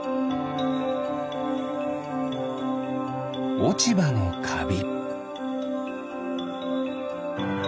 おちばのかび。